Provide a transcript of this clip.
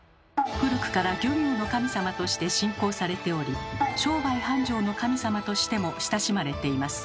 古くから漁業の神様として信仰されており商売繁盛の神様としても親しまれています。